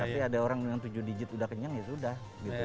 tapi ada orang yang tujuh digit udah kenyang ya sudah gitu